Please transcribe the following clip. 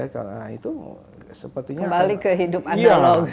kembali ke hidup analog